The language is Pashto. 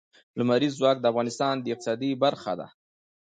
لمریز ځواک د افغانستان د اقتصاد برخه ده.